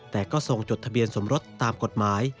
แต่ก็ทรงจดทะเบียนสมรสตามกฎหมาย